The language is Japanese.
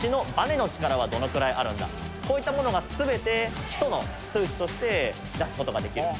こういったものが全て基礎の数値として出す事ができる。